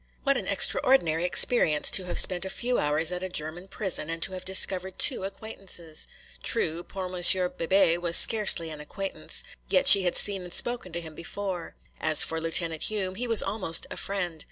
What an extraordinary experience to have spent a few hours at a German prison and to have discovered two acquaintances. True, poor Monsieur Bebé was scarcely an acquaintance, yet she had seen and spoken to him before. As for Lieutenant Hume, he was almost a friend.